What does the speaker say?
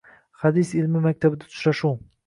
Hadis ilmi maktabida uchrashuv